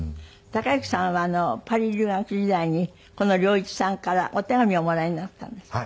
之さんはパリ留学時代にこの良一さんからお手紙をおもらいになったんですって？